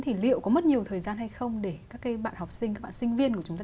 thì liệu có mất nhiều thời gian hay không để các cái bạn học sinh các bạn sinh viên của chúng ta